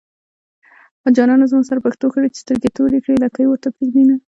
جانان زما سره پښتو کړي چې سترګې توري کړي لکۍ ورته پرېږدينه